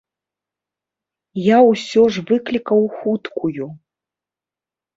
Я ўсё ж выклікаў хуткую.